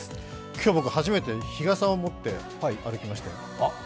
今日、僕、初めて日傘を持って歩きましたよ。